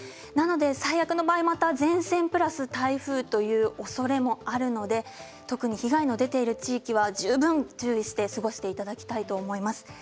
最悪の場合、また前線プラス台風というおそれもあるので特に被害の出ている地域は十分注意して過ごしていただきたいと思います。